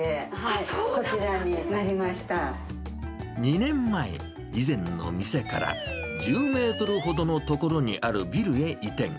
そうだったんですね。２年前、以前の店から１０メートルほどの所にあるビルへ移転。